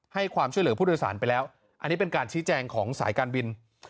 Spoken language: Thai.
ความช่วยเหลือผู้โดยสารไปแล้วอันนี้เป็นการชี้แจงของสายการบิน